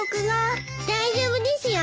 大丈夫ですよ。